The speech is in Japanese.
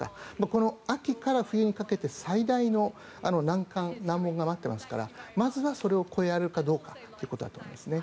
この秋から冬にかけて最大の難関、難問が待っていますからまずはそれを越えられるかどうかということだと思います。